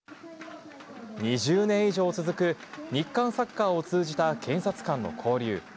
２０年以上続く、日韓サッカーを通じた検察官の交流。